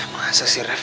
masa sih ref